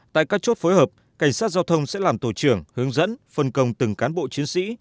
tại các chốt phối hợp cảnh sát giao thông sẽ làm tổ trưởng hướng dẫn phân công từng cán bộ chiến sĩ